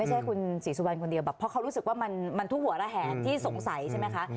เพราะเขารู้สึกว่ามันทุกหัวระแหงที่สงสัยใช่ไหมคะ